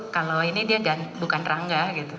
kalau ini dia bukan rangga gitu